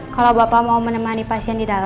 kalau bapak mau menemani pasien